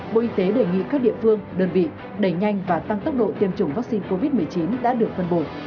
bộ y tế đề nghị các địa phương đơn vị đẩy nhanh và tăng tốc độ tiêm chủng vaccine covid một mươi chín đã được phân bổ